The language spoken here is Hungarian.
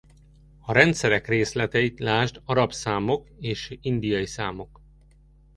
A rendszerek részleteit lásd arab számok és indiai számok.